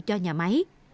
cho nhà máy